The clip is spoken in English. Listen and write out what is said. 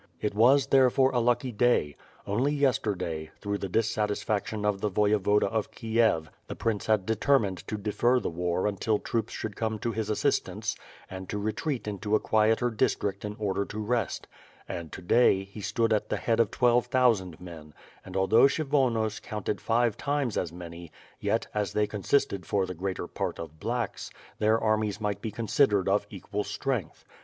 It was, therefore, a lucky day. Only yesterday, through the disaffection of the Voyevoda of Kiev, the prince had determined to defer the war until troops should come to his assistance; and to retreat into a quieter district in order to rest — and, to day, he stood at the head of twelve thousand men, and, although Kshyvonos counted five times as many, yet, as they consisted for the greater part of blacks, their armies might be considered of equal strength.